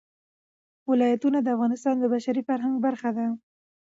ولایتونه د افغانستان د بشري فرهنګ برخه ده.